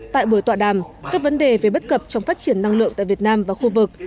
tại buổi tọa đàm các vấn đề về bất cập trong phát triển năng lượng tại việt nam và khu vực